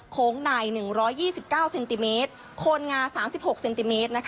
โค้งใน๑๒๙เซนติเมตรคนงา๓๖เซนติเมตร